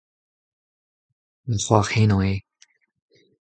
Ma c'hoar henañ eo.